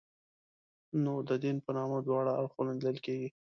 نو د دین په نامه دواړه اړخونه لیدل کېږي.